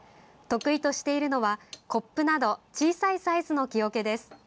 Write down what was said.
得意としているのは、コップなど小さいサイズの木おけです。